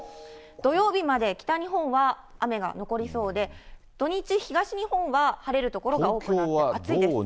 土曜日まで北日本は雨が残りそうで、土日、東日本は晴れる所が多くなり暑いです。